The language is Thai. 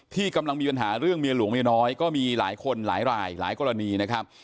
ที่กำลังมีปัญหาเรื่องเมียหลวงเมียน้อยก็มีหลายคนหลายหลายกรณีนะครับ